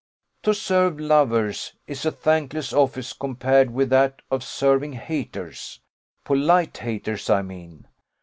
To serve lovers is a thankless office compared with that of serving haters polite haters I mean.